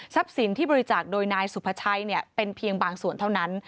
สินที่บริจาคโดยนายสุภาชัยเป็นเพียงบางส่วนเท่านั้น